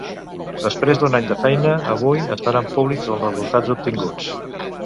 Després d’un any de feina, avui es faran públics els resultats obtinguts.